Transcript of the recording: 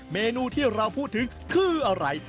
เมนูที่เราพูดถึงคืออะไร